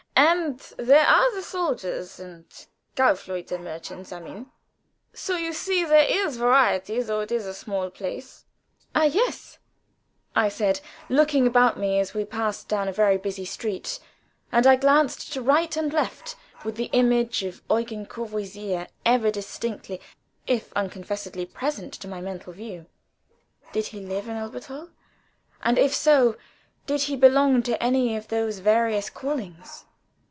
And there are the soldiers and Kaufleute merchants, I mean, so you see there is variety, though it is a small place." "Ah, yes!" said I, looking about me as we passed down a very busy street, and I glanced to right and left with the image of Eugen Courvoisier ever distinctly if unconfessedly present to my mental view. Did he live at Elberthal? and if so, did he belong to any of those various callings?